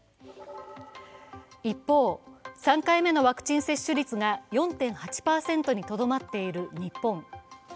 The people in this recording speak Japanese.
一方、３回目のワクチン接種率が４．８％にとどまっている日本。